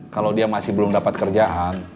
kalau dia masih belum dapat kerjaan